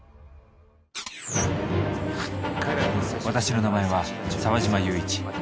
私の名前は沢嶋雄一。